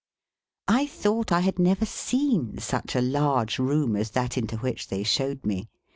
I thought I had never seen such a large room as that into which they showed me.